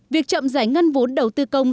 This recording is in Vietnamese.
việc chậm giải ngân vốn đầu tư công